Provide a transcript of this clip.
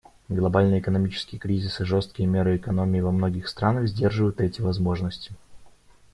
Глобальный экономический кризис и жесткие меры экономии во многих странах сдерживают эти возможности.